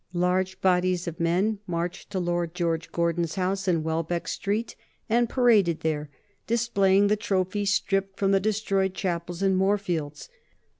Large bodies of men marched to Lord George Gordon's house in Welbeck Street and paraded there, displaying the trophies stripped from the destroyed chapels in Moorfields.